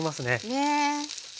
ねえ。